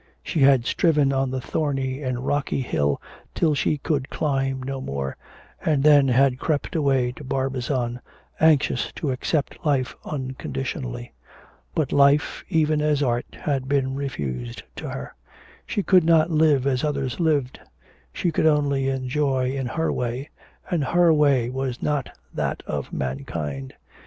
She had striven on the thorny and rocky hill till she could climb no more, and then had crept away to Barbizon anxious to accept life unconditionally. But life, even as art, had been refused to her. She could not live as others lived; she could only enjoy in her way, and her way was not that of mankind.